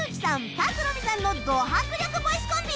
朴美さんのド迫力ボイスコンビ